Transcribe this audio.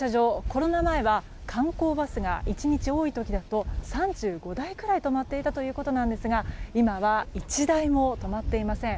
コロナ前は観光バスが１日多い時だと３５台くらい止まっていたということなんですが今は１台も止まっていません。